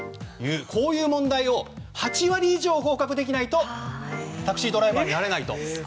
こういう問題を８割以上合格できないとタクシードライバーになれないと。